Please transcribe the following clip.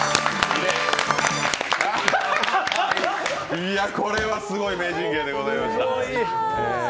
いや、これはすごい名人芸でございました。